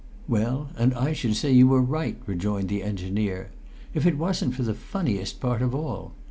"Well, and I should say you were right," rejoined the engineer, "if it wasn't for the funniest part of all.